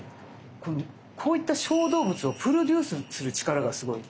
こういった小動物をプロデュースする力がすごい。